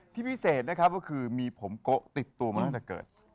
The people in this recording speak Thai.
พิเศษนะครับก็คือมีผมโกะติดตัวมาตั้งแต่เกิด